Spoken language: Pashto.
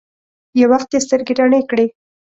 يو وخت يې سترګې رڼې کړې.